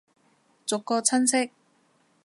逐個親戚